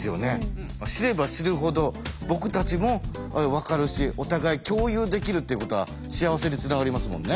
知れば知るほど僕たちも分かるしお互い共有できるっていうことは幸せにつながりますもんね。